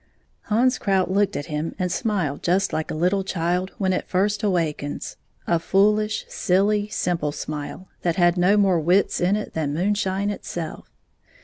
Hans Krout looked at him and smiled just like a little child when it first awakens — a foolish, silly, simple smile that had no more wits in it than moonshine itself.